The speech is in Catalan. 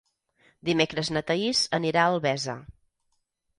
Dimecres na Thaís anirà a Albesa.